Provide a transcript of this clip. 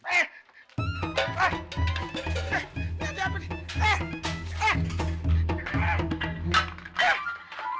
eh dia siapa nih